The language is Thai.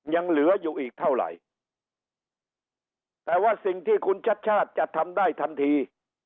ยังเหลืออยู่อีกเท่าไหร่แต่ว่าสิ่งที่คุณชัดชาติจะทำได้ทันที